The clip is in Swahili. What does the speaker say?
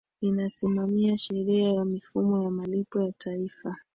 inasimamia sheria ya mifumo ya malipo ya taifa